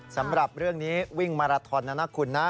สำหรับเรื่องนี้วิ่งมาราทอนนะนะคุณนะ